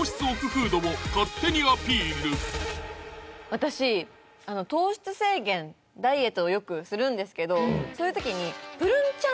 私糖質制限ダイエットをよくするんですけどそういう時にぷるんちゃん